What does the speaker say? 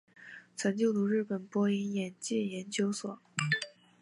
曾就读日本播音演技研究所。